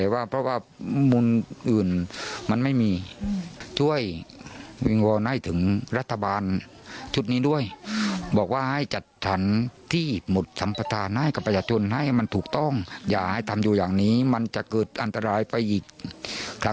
หรือว่าจะไปบ้านมงวาก็มันถือกับก้าวค่ะ